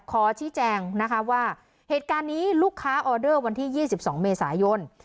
ขอชี้แจงนะคะว่าเหตุการณ์นี้ลูกค้าออเดอร์วันที่๒๒เมษายน